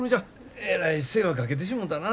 えらい世話かけてしもたな。